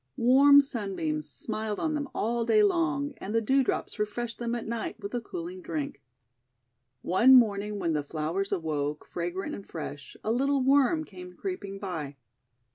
Warm Sunbeams smiled on them all day long, and the Dewdrops refreshed them at night with a cooling drink. One morning when the flowers awoke, fragrant and fresh, a little Worm came creeping by.